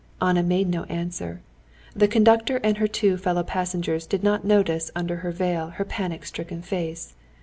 Anna made no answer. The conductor and her two fellow passengers did not notice under her veil her panic stricken face.